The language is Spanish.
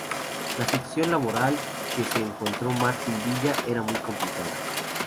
La situación laboral que se encontró Martín Villa era muy complicada.